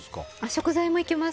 食材もいけます。